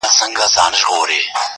ما مي د بابا په هدیره کي ځان لیدلی وو!!